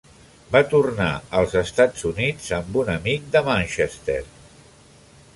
Va tornar als Estats Units amb un amic de Manchester.